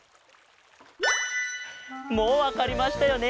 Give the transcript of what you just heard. もうわかりましたよね？